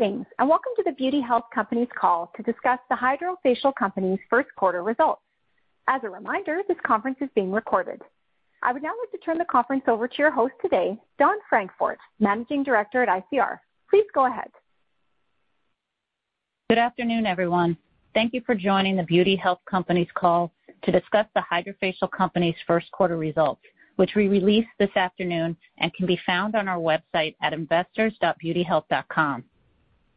Welcome to the Beauty Health Company's call to discuss the HydraFacial Company's first quarter results. As a reminder, this conference is being recorded. I would now like to turn the conference over to your host today, Dawn Francfort, Managing Director at ICR. Please go ahead. Good afternoon, everyone. Thank you for joining The Beauty Health Company's call to discuss the HydraFacial Company's first quarter results, which we released this afternoon and can be found on our website at investors.beautyhealth.com.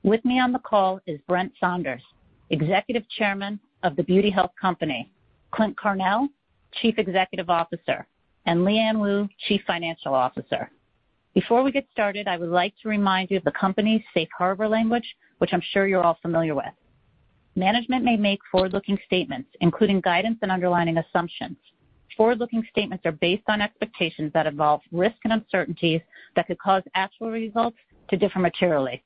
With me on the call is Brent Saunders, Executive Chairman of The Beauty Health Company, Clint Carnell, Chief Executive Officer, and Liyuan Woo, Chief Financial Officer. Before we get started, I would like to remind you of the company's safe harbor language, which I'm sure you're all familiar with. Management may make forward-looking statements, including guidance and underlying assumptions. Forward-looking statements are based on expectations that involve risks and uncertainties that could cause actual results to differ materially.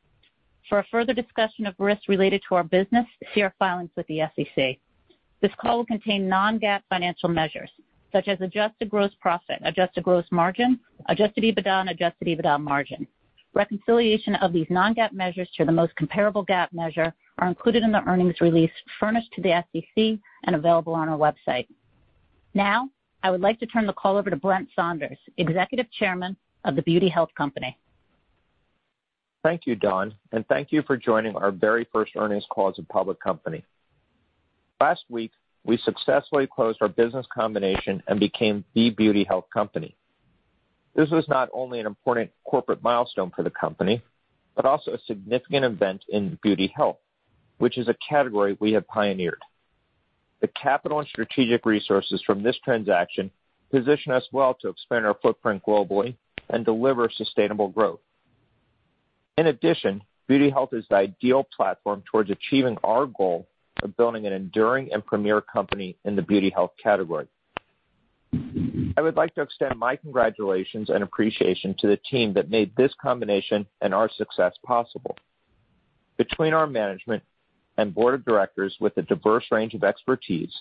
For a further discussion of risks related to our business, see our filings with the SEC. This call will contain non-GAAP financial measures such as adjusted gross profit, adjusted gross margin, adjusted EBITDA, and adjusted EBITDA margin. Reconciliation of these non-GAAP measures to the most comparable GAAP measure are included in the earnings release furnished to the SEC and available on our website. Now, I would like to turn the call over to Brent Saunders, Executive Chairman of The Beauty Health Company. Thank you, Dawn, and thank you for joining our very first earnings call as a public company. Last week, we successfully closed our business combination and became The Beauty Health Company. This was not only an important corporate milestone for the company, but also a significant event in Beauty Health, which is a category we have pioneered. The capital and strategic resources from this transaction position us well to expand our footprint globally and deliver sustainable growth. In addition, Beauty Health is the ideal platform towards achieving our goal of building an enduring and premier company in the Beauty Health category. I would like to extend my congratulations and appreciation to the team that made this combination and our success possible. Between our management and board of directors with a diverse range of expertise,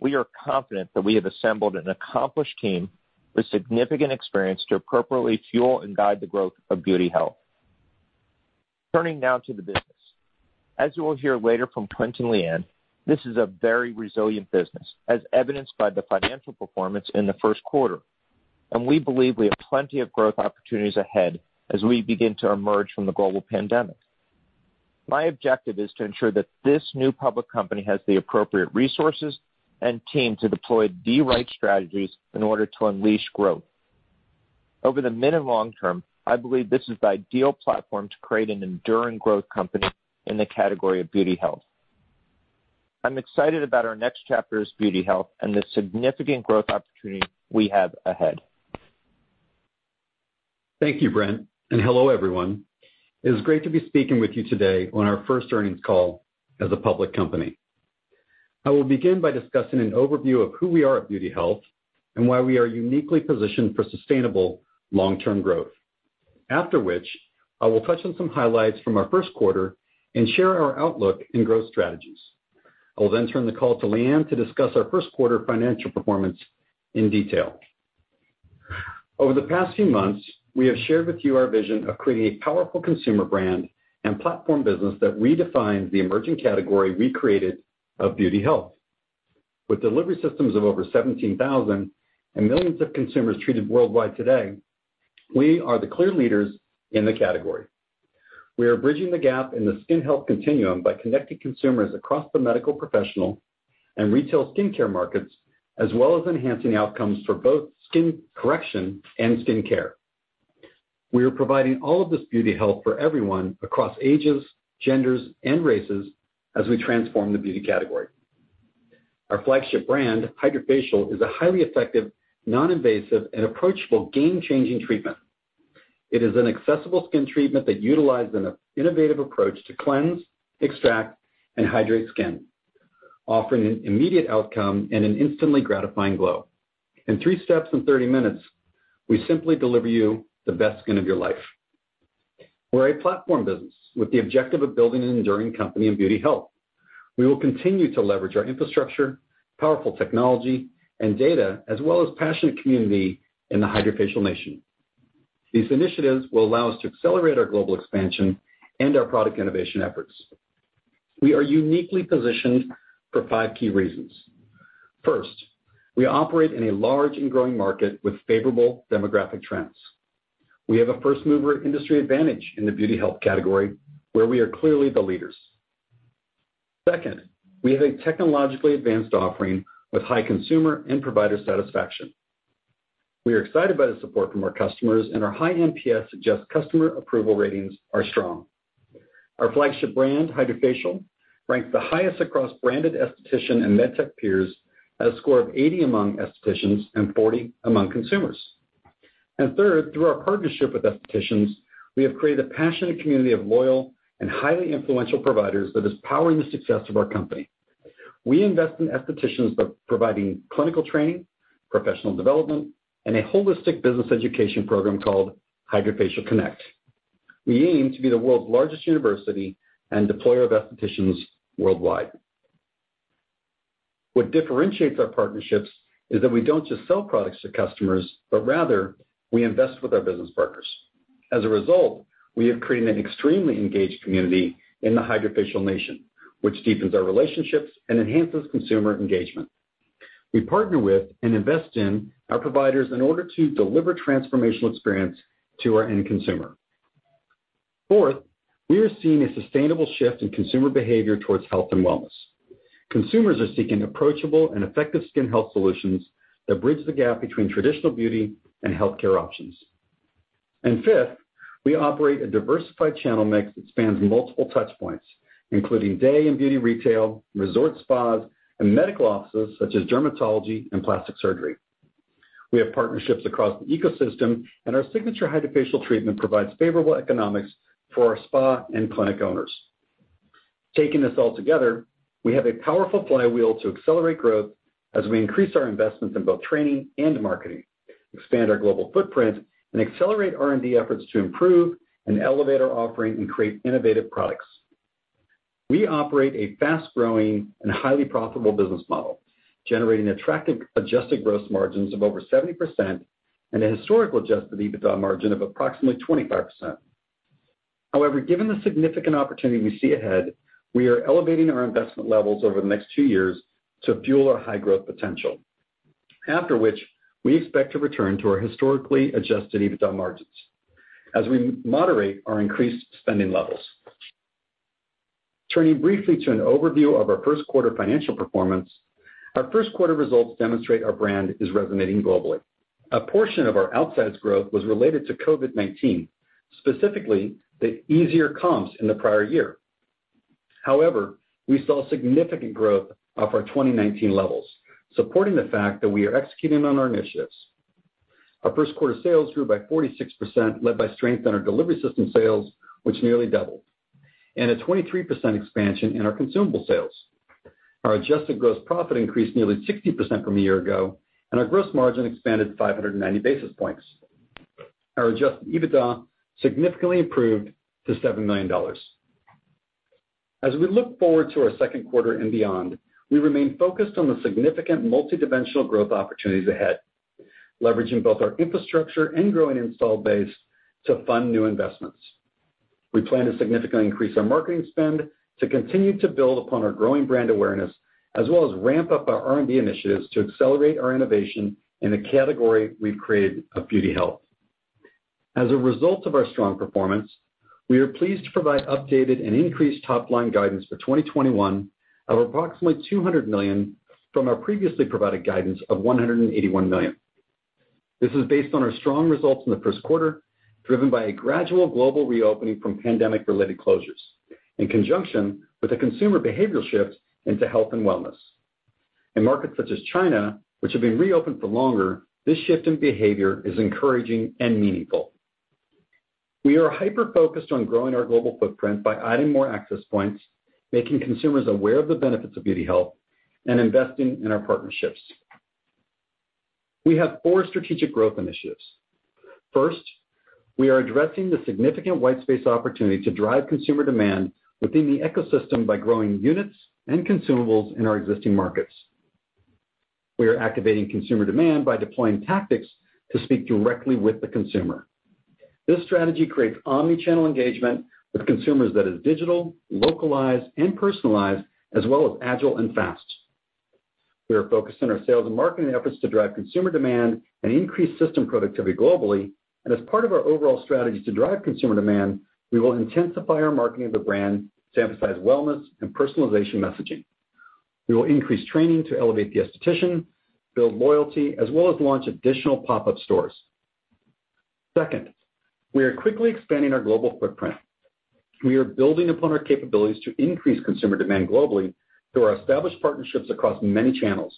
we are confident that we have assembled an accomplished team with significant experience to appropriately fuel and guide the growth of Beauty Health. Turning now to the business. As you will hear later from Clint and Liyuan, this is a very resilient business, as evidenced by the financial performance in the first quarter, and we believe we have plenty of growth opportunities ahead as we begin to emerge from the global pandemic. My objective is to ensure that this new public company has the appropriate resources and team to deploy the right strategies in order to unleash growth. Over the mid and long term, I believe this is the ideal platform to create an enduring growth company in the category of beauty health. I'm excited about our next chapter as Beauty Health and the significant growth opportunity we have ahead. Thank you, Brent, and hello, everyone. It is great to be speaking with you today on our first earnings call as a public company. I will begin by discussing an overview of who we are at Beauty Health and why we are uniquely positioned for sustainable long-term growth. After which, I will touch on some highlights from our first quarter and share our outlook and growth strategies. I will turn the call to Liyuan to discuss our first quarter financial performance in detail. Over the past few months, we have shared with you our vision of creating a powerful consumer brand and platform business that redefines the emerging category we created of beauty health. With delivery systems of over 17,000 and millions of consumers treated worldwide today, we are the clear leaders in the category. We are bridging the gap in the skin health continuum by connecting consumers across the medical professional and retail skincare markets, as well as enhancing outcomes for both skin correction and skincare. We are providing all of this beauty health for everyone across ages, genders, and races as we transform the beauty category. Our flagship brand, HydraFacial, is a highly effective, non-invasive, and approachable game-changing treatment. It is an accessible skin treatment that utilizes an innovative approach to cleanse, extract, and hydrate skin, offering an immediate outcome and an instantly gratifying glow. In three steps in 30-minutes, we simply deliver you the best skin of your life. We're a platform business with the objective of building an enduring company in beauty health. We will continue to leverage our infrastructure, powerful technology, and data, as well as passionate community in the HydraFacial Nation. These initiatives will allow us to accelerate our global expansion and our product innovation efforts. We are uniquely positioned for five key reasons. First, we operate in a large and growing market with favorable demographic trends. We have a first-mover industry advantage in the beauty health category, where we are clearly the leaders. Second, we have a technologically advanced offering with high consumer and provider satisfaction. We are excited about the support from our customers, and our high NPS suggests customer approval ratings are strong. Our flagship brand, HydraFacial, ranks the highest across branded esthetician and MedTech peers at a score of 80 among estheticians and 40 among consumers. Third, through our partnership with estheticians, we have created a passionate community of loyal and highly influential providers that is powering the success of our company. We invest in estheticians by providing clinical training, professional development, and a holistic business education program called HydraFacial CONNECT. We aim to be the world's largest university and deployer of estheticians worldwide. What differentiates our partnerships is that we don't just sell products to customers, but rather we invest with our business partners. As a result, we have created an extremely engaged community in the HydraFacial Nation, which deepens our relationships and enhances consumer engagement. We partner with and invest in our providers in order to deliver transformational experience to our end consumer. Fourth, we are seeing a sustainable shift in consumer behavior towards health and wellness. Consumers are seeking approachable and effective skin health solutions that bridge the gap between traditional beauty and healthcare options. Fifth, we operate a diversified channel mix that spans multiple touch points, including day and beauty retail, resort spas, and medical offices such as dermatology and plastic surgery. We have partnerships across the ecosystem, and our signature HydraFacial treatment provides favorable economics for our spa and clinic owners. Taking this all together, we have a powerful flywheel to accelerate growth as we increase our investments in both training and marketing, expand our global footprint, and accelerate R&D efforts to improve and elevate our offering and create innovative products. We operate a fast-growing and highly profitable business model, generating attractive adjusted gross margins of over 70% and a historical adjusted EBITDA margin of approximately 25%. However, given the significant opportunity we see ahead, we are elevating our investment levels over the next two years to fuel our high growth potential, after which we expect to return to our historically adjusted EBITDA margins as we moderate our increased spending levels. Turning briefly to an overview of our first quarter financial performance, our first quarter results demonstrate our brand is resonating globally. A portion of our outsized growth was related to COVID-19, specifically, the easier comps in the prior year. However, we saw significant growth off our 2019 levels, supporting the fact that we are executing on our initiatives. Our first quarter sales grew by 46%, led by strength in our delivery system sales, which nearly doubled, and a 23% expansion in our consumable sales. Our adjusted gross profit increased nearly 60% from a year ago, and our gross margin expanded 590 basis points. Our adjusted EBITDA significantly improved to $7 million. As we look forward to our second quarter and beyond, we remain focused on the significant multidimensional growth opportunities ahead, leveraging both our infrastructure and growing installed base to fund new investments. We plan to significantly increase our marketing spend to continue to build upon our growing brand awareness, as well as ramp up our R&D initiatives to accelerate our innovation in the category we've created of Beauty Health. As a result of our strong performance, we are pleased to provide updated and increased top-line guidance for 2021 of approximately $200 million from our previously provided guidance of $181 million. This is based on our strong results in the first quarter, driven by a gradual global reopening from pandemic-related closures, in conjunction with a consumer behavioral shift into health and wellness. In markets such as China, which have been reopened for longer, this shift in behavior is encouraging and meaningful. We are hyper-focused on growing our global footprint by adding more access points, making consumers aware of the benefits of beauty health, and investing in our partnerships. We have four strategic growth initiatives. First, we are addressing the significant white space opportunity to drive consumer demand within the ecosystem by growing units and consumables in our existing markets. We are activating consumer demand by deploying tactics to speak directly with the consumer. This strategy creates omni-channel engagement with consumers that is digital, localized, and personalized, as well as agile and fast. We are focused on our sales and marketing efforts to drive consumer demand and increase system productivity globally. As part of our overall strategy to drive consumer demand, we will intensify our marketing of the brand to emphasize wellness and personalization messaging. We will increase training to elevate the esthetician, build loyalty, as well as launch additional pop-up stores. Second, we are quickly expanding our global footprint. We are building upon our capabilities to increase consumer demand globally through our established partnerships across many channels,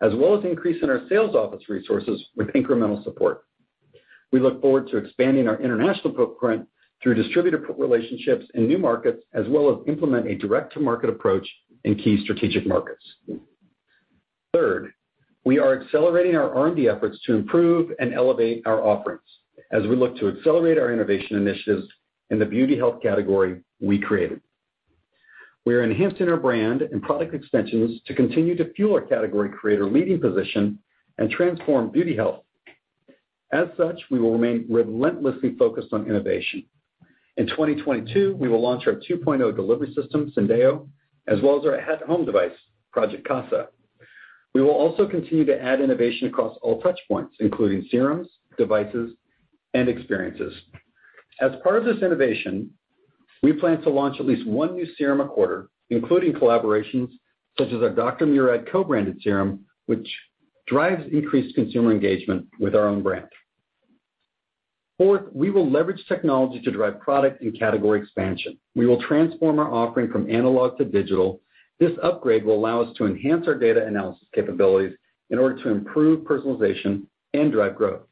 as well as increasing our sales office resources with incremental support. We look forward to expanding our international footprint through distributor relationships in new markets, as well as implement a direct-to-market approach in key strategic markets. Third, we are accelerating our R&D efforts to improve and elevate our offerings as we look to accelerate our innovation initiatives in the beauty health category we created. We are enhancing our brand and product extensions to continue to fuel our category creator leading position and transform beauty health. As such, we will remain relentlessly focused on innovation. In 2022, we will launch our 2.0 delivery system, Syndeo, as well as our at-home device, Project Casa. We will also continue to add innovation across all touch points, including serums, devices, and experiences. As part of this innovation, we plan to launch at least one new serum a quarter, including collaborations such as our Dr. Murad co-branded serum, which drives increased consumer engagement with our own brand. Fourth, we will leverage technology to drive product and category expansion. We will transform our offering from analog to digital. This upgrade will allow us to enhance our data analysis capabilities in order to improve personalization and drive growth.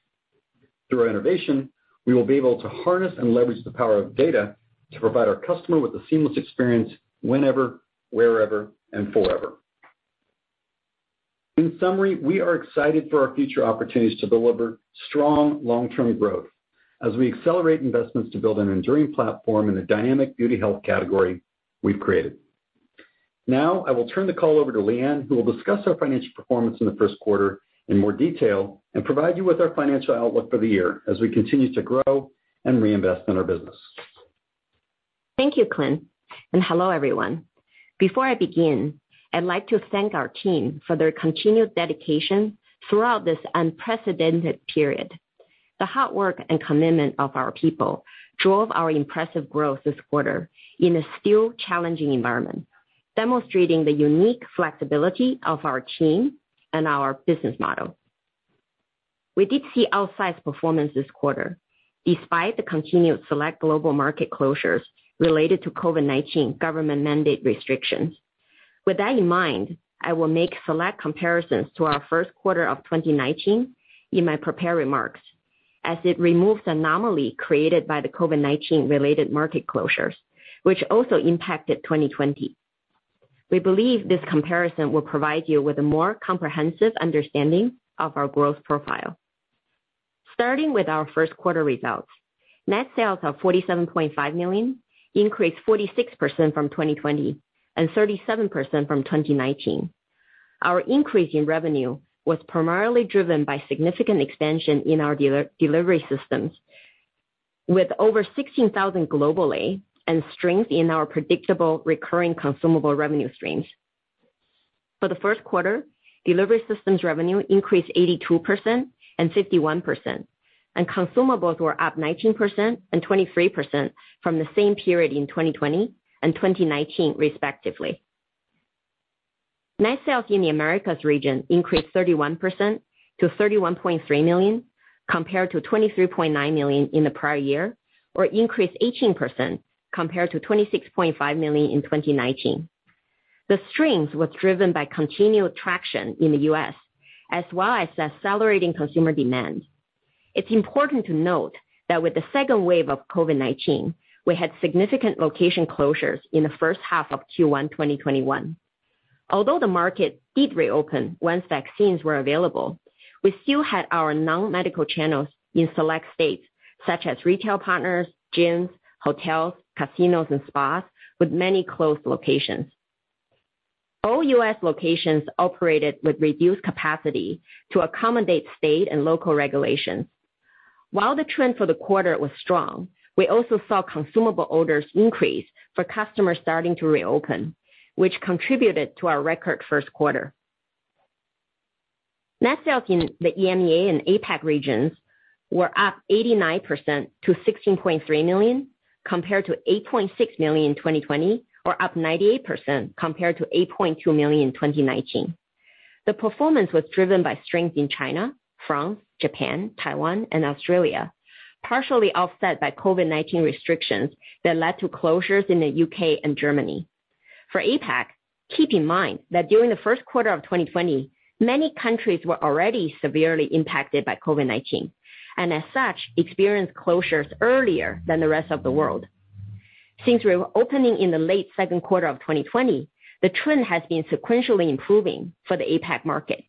Through our innovation, we will be able to harness and leverage the power of data to provide our customer with a seamless experience whenever, wherever, and forever. In summary, we are excited for our future opportunities to deliver strong long-term growth as we accelerate investments to build an enduring platform in the dynamic beauty health category we've created. Now, I will turn the call over to Liyuan, who will discuss our financial performance in the first quarter in more detail and provide you with our financial outlook for the year as we continue to grow and reinvest in our business. Thank you, Clint, and hello, everyone. Before I begin, I'd like to thank our team for their continued dedication throughout this unprecedented period. The hard work and commitment of our people drove our impressive growth this quarter in a still challenging environment, demonstrating the unique flexibility of our team and our business model. We did see outsized performance this quarter despite the continued select global market closures related to COVID-19 government mandate restrictions. With that in mind, I will make select comparisons to our first quarter of 2019 in my prepared remarks as it removes the anomaly created by the COVID-19 related market closures, which also impacted 2020. We believe this comparison will provide you with a more comprehensive understanding of our growth profile. Starting with our first quarter results. Net sales are $47.5 million, increased 46% from 2020 and 37% from 2019. Our increase in revenue was primarily driven by significant expansion in our delivery systems, with over 16,000 globally and strength in our predictable recurring consumable revenue streams. For the first quarter, delivery systems revenue increased 82% and 51%, and consumables were up 19% and 23% from the same period in 2020 and 2019, respectively. Net sales in the Americas region increased 31% to $31.3 million, compared to $23.9 million in the prior year, or increased 18% compared to $26.5 million in 2019. The strength was driven by continued traction in the U.S., as well as accelerating consumer demand. It's important to note that with the second wave of COVID-19, we had significant location closures in the first half of Q1 2021. Although the market did reopen once vaccines were available, we still had our non-medical channels in select states, such as retail partners, gyms, hotels, casinos, and spas, with many closed locations. All U.S. locations operated with reduced capacity to accommodate state and local regulations. While the trend for the quarter was strong, we also saw consumable orders increase for customers starting to reopen, which contributed to our record first quarter. Net sales in the EMEA and APAC regions were up 89% to $16.3 million, compared to $8.6 million in 2020, or up 98% compared to $8.2 million in 2019. The performance was driven by strength in China, France, Japan, Taiwan, and Australia, partially offset by COVID-19 restrictions that led to closures in the U.K. and Germany. For APAC, keep in mind that during the first quarter of 2020, many countries were already severely impacted by COVID-19, and as such, experienced closures earlier than the rest of the world. Since reopening in the late second quarter of 2020, the trend has been sequentially improving for the APAC market.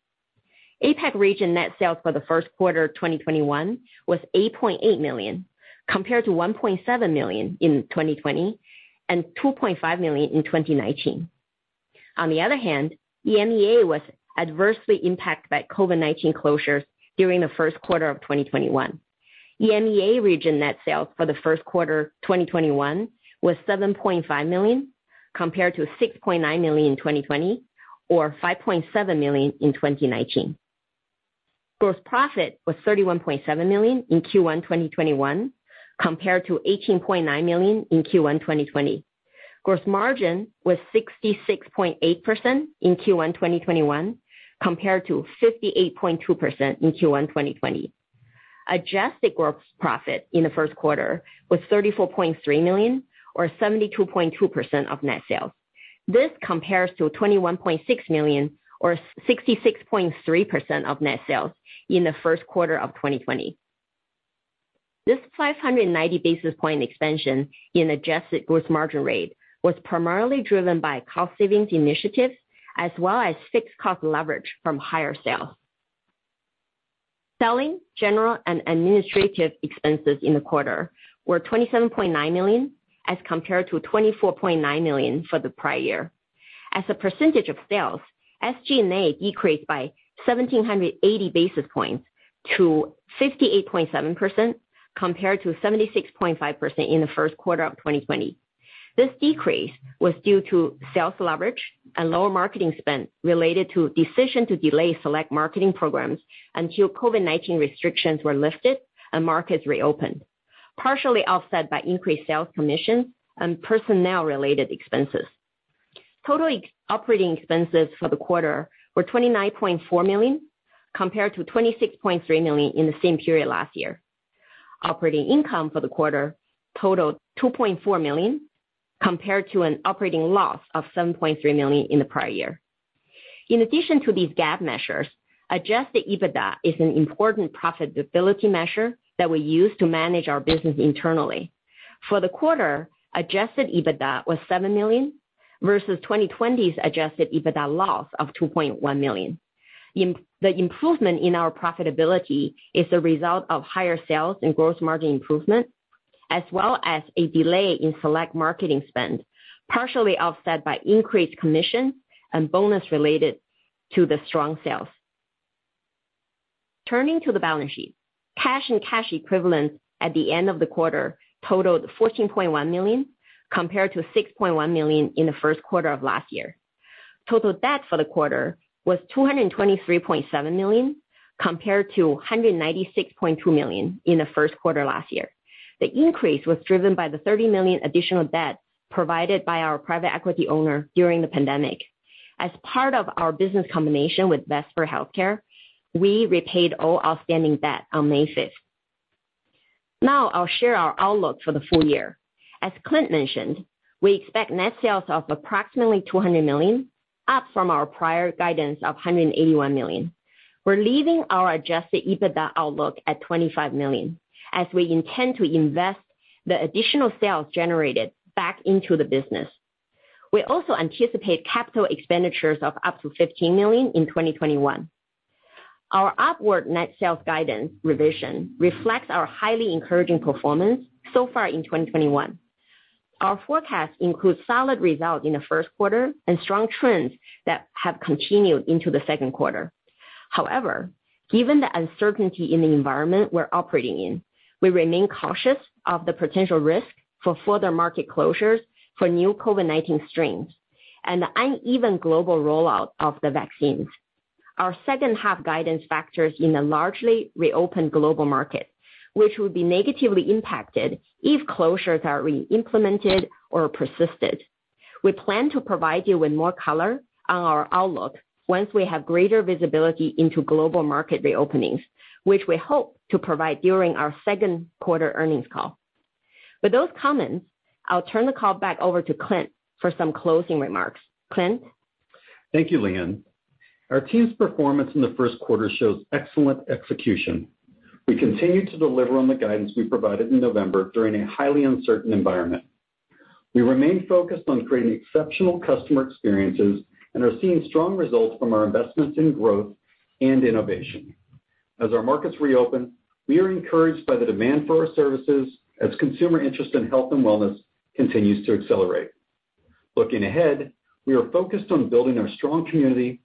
APAC region net sales for the first quarter 2021 was $8.8 million, compared to $1.7 million in 2020 and $2.5 million in 2019. On the other hand, EMEA was adversely impacted by COVID-19 closures during the first quarter of 2021. EMEA region net sales for the first quarter 2021 was $7.5 million, compared to $6.9 million in 2020 or $5.7 million in 2019. Gross profit was $31.7 million in Q1 2021 compared to $18.9 million in Q1 2020. Gross margin was 66.8% in Q1 2021 compared to 58.2% in Q1 2020. Adjusted gross profit in the first quarter was $34.3 million or 72.2% of net sales. This compares to $21.6 million or 66.3% of net sales in the first quarter of 2020. This 590 basis point expansion in adjusted gross margin rate was primarily driven by cost savings initiatives, as well as fixed cost leverage from higher sales. Selling, general, and administrative expenses in the quarter were $27.9 million as compared to $24.9 million for the prior year. As a percentage of sales, SG&A decreased by 1,780 basis points to 58.7% compared to 76.5% in the first quarter of 2020. This decrease was due to sales leverage and lower marketing spend related to decision to delay select marketing programs until COVID-19 restrictions were lifted and markets reopened, partially offset by increased sales commission and personnel-related expenses. Total operating expenses for the quarter were $29.4 million, compared to $26.3 million in the same period last year. Operating income for the quarter totaled $2.4 million, compared to an operating loss of $7.3 million in the prior year. In addition to these GAAP measures, adjusted EBITDA is an important profitability measure that we use to manage our business internally. For the quarter, adjusted EBITDA was $7 million versus 2020's adjusted EBITDA loss of $2.1 million. The improvement in our profitability is a result of higher sales and gross margin improvement, as well as a delay in select marketing spend, partially offset by increased commission and bonus related to the strong sales. Turning to the balance sheet. Cash and cash equivalents at the end of the quarter totaled $14.1 million, compared to $6.1 million in the first quarter of last year. Total debt for the quarter was $223.7 million, compared to $196.2 million in the first quarter last year. The increase was driven by the $30 million additional debt provided by our private equity owner during the pandemic. As part of our business combination with Vesper Healthcare, we repaid all outstanding debt on May 5th. Now I'll share our outlook for the full year. As Clint mentioned, we expect net sales of approximately $200 million, up from our prior guidance of $181 million. We're leaving our adjusted EBITDA outlook at $25 million, as we intend to invest the additional sales generated back into the business. We also anticipate capital expenditures of up to $15 million in 2021. Our upward net sales guidance revision reflects our highly encouraging performance so far in 2021. Our forecast includes solid results in the first quarter and strong trends that have continued into the second quarter. However, given the uncertainty in the environment we're operating in, we remain cautious of the potential risk for further market closures for new COVID-19 strains and the uneven global rollout of the vaccines. Our second half guidance factors in a largely reopened global market, which would be negatively impacted if closures are re-implemented or persisted. We plan to provide you with more color on our outlook once we have greater visibility into global market reopenings, which we hope to provide during our second quarter earnings call. With those comments, I'll turn the call back over to Clint for some closing remarks. Clint? Thank you, Liyuan. Our team's performance in the first quarter shows excellent execution. We continue to deliver on the guidance we provided in November during a highly uncertain environment. We remain focused on creating exceptional customer experiences and are seeing strong results from our investments in growth and innovation. As our markets reopen, we are encouraged by the demand for our services as consumer interest in health and wellness continues to accelerate. Looking ahead, we are focused on building our strong community,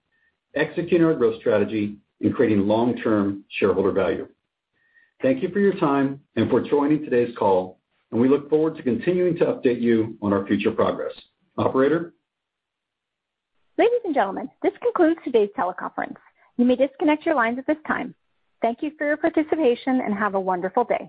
executing our growth strategy, and creating long-term shareholder value. Thank you for your time and for joining today's call, and we look forward to continuing to update you on our future progress. Operator? Ladies and gentlemen, this concludes today's teleconference. You may disconnect your lines at this time. Thank you for your participation, and have a wonderful day.